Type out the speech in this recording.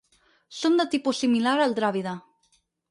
Són de tipus similar al dràvida.